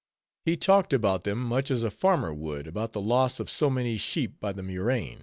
He talked about them much as a farmer would about the loss of so many sheep by the murrain.